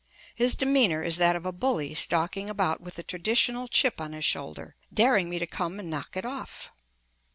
His demeanor is that of a bully stalking about with the traditional chip on his shoulder, daring me to come and knock it off.